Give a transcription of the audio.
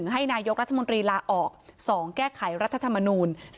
ให้นายกรัฐมนตรีลาออก๒แก้ไขรัฐธรรมนูล